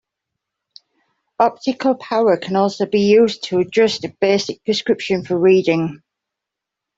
Optical power can also be used to adjust a basic prescription for reading.